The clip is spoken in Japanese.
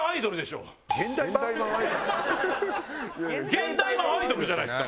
現代版アイドルじゃないですか！